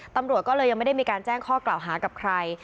ตำรวจก็เลยยังไม่ได้มีการแจ้งข้อกล่าวหากับใคร